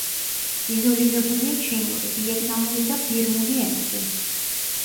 იზოლირებულია ჩინური, ვიეტნამური და ბირმული ენები.